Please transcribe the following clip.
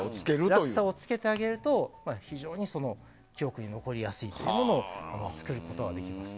落差をつけてあげると非常に記憶に残りやすいものを作ることができます。